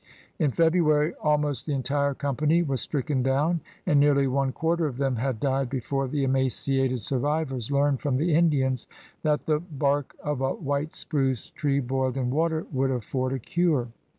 In February almost the entire company was stricken down and nearly one quarter of them had died before the emaciated A VOYAGEUR OF BRITTANY 28 survivors learned from the Indians that the bark of a white spruce tree boiled in water would afford a cure.